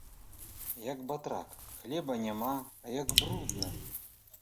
Як батрак, хлеба няма, а як брудна.